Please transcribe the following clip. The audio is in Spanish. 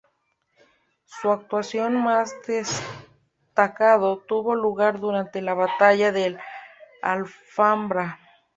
Su actuación más destacada tuvo lugar durante la batalla del Alfambra.